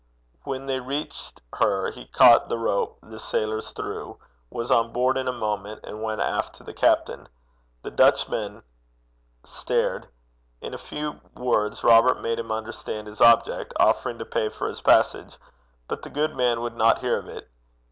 When they reached her he caught the rope the sailors threw, was on board in a moment, and went aft to the captain. The Dutchman stared. In a few words Robert made him understand his object, offering to pay for his passage, but the good man would not hear of it.